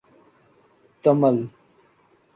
Tamil